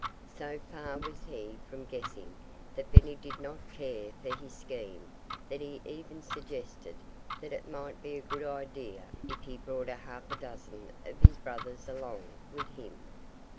So far was he from guessing that Benny did not care for his scheme that he even suggested that it might be a good idea if he brought a half dozen of his brothers along with him.